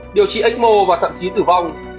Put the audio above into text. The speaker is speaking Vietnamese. điều trị ếch mô và thậm chí tử vong